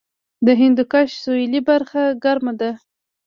د هندوکش سویلي برخه ګرمه ده